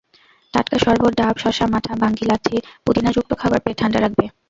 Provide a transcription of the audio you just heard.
টাটকা শরবত, ডাব, শসা, মাঠা, বাঙ্গি, লাচ্ছি, পুদিনাযুক্ত খাবার পেট ঠান্ডা রাখবে।